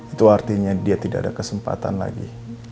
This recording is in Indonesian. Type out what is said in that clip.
itu artinya dia tidak ada kesempatan lagi